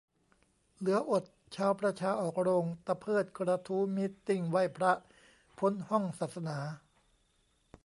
เหลืออด ! ชาวประชาออกโรงตะเพิดกระทู้มีตติ้งไหว้พระพ้นห้องศาสนา !